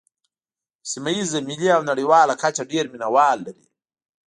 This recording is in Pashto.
په سیمه ییزه، ملي او نړیواله کچه ډېر مینوال لري.